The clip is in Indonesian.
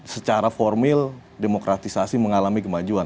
secara formil demokratisasi mengalami kemajuan